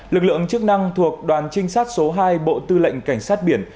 lực lượng chức năng thuộc đoàn trinh sát số hai bộ tư lệnh cảnh sát biển